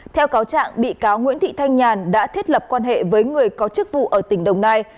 theo cáo trạng bị cáo nguyễn thị thanh nhàn đã thiết lập quan hệ với người có chức vụ ở tỉnh đồng nai